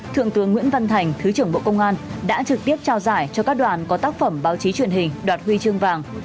thượng tướng nguyễn văn thành thứ trưởng bộ công an đã trực tiếp trao giải cho các đoàn có tác phẩm báo chí truyền hình đoạt huy chương vàng